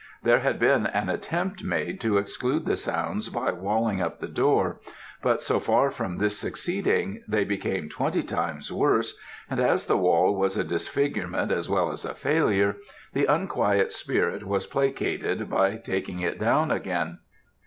There had been an attempt made to exclude the sounds by walling up the door; but so far from this succeeding they became twenty times worse, and as the wall was a disfigurement as well as a failure, the unquiet spirit was placated by taking it down again.